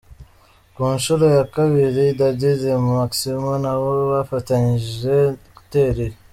Ku nshuro ya kabiri, Dady de Maximo nabo bafatanyije gutera iri.